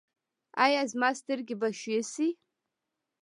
ایا زما سترګې به ښې شي؟